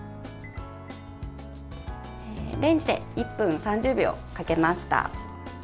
レンジで１分３０秒かけました。